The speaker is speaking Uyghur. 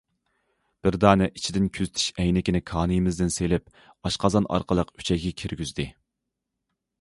بىر دانە ئىچىدىن كۆزىتىش ئەينىكىنى كانىيىمدىن سېلىپ ئاشقازان ئارقىلىق ئۈچەيگە كىرگۈزدى.